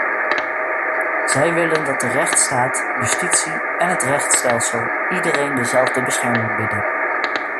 Zij willen dat de rechtsstaat, justitie en het rechtsstelsel iedereen dezelfde bescherming bieden.